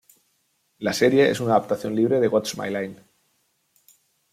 La serie es una adaptación libre de "What's My Line?